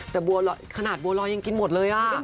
แต่บัวรอยขนาดบัวรอยยังกินหมดเลย